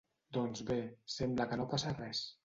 Doncs bé, sembla que no passa res.